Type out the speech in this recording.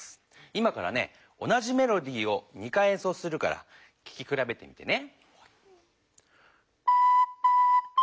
今からね同じメロディーを２回えんそうするからききくらべてみてね。